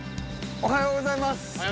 おはようございます！